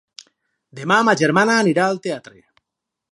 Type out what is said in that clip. Demà ma germana anirà al teatre.